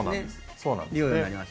そうなんです。